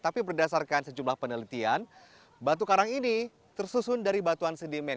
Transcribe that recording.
tapi berdasarkan sejumlah penelitian batu karang ini tersusun dari batuan sedimen